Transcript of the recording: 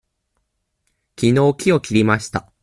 きのう木を切りました。